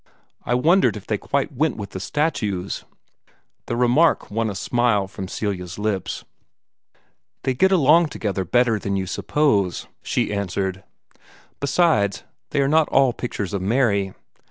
"I wondered if they quite went with the statues." The remark won a smile from Celia's lips. "They get along together better than you suppose," she answered. "Besides, they are not all pictures of Mary.